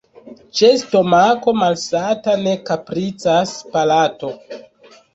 Ĉe stomako malsata ne kapricas palato.